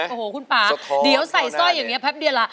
โอ้โหคุณป่าเดี๋ยวใส่สร้อยอย่างนี้แป๊บเดียวล่ะ